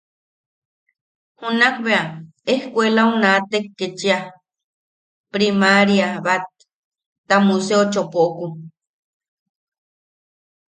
Junak bea escuelau naatek ketchia priMaría bat ta museo chopoku.